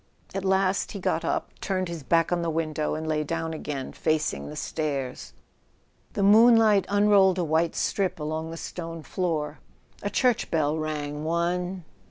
At last he got up, turned his back on the window, and lay down again facing the stairs. The moonlight unrolled a white strip along the stone floor. A church bell rang one